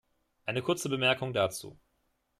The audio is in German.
Eine kurze Bemerkung dazu.